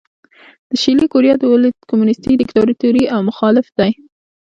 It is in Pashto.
د شلي کوریا دولت کمونیستي دیکتاتوري او مخالف دی.